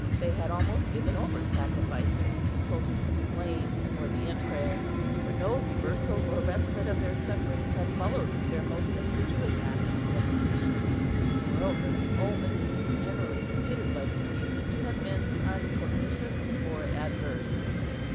They had almost given over sacrificing and consulting the flame or the entrails; for no reversal or respite of their sufferings had followed their most assiduous acts of deprecation. Moreover the omens were generally considered by the priests to have been unpropitious or adverse.